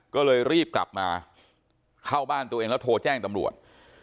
ก็เลยรีบกลับมาเข้าบ้านตัวเองแล้วโทรแจ้งตำรวจ